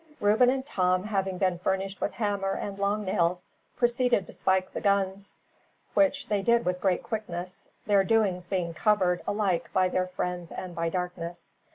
Reuben and Tom, having been furnished with hammer and long nails, proceeded to spike the guns; which they did with great quickness, their doings being covered, alike, by their friends and by darkness.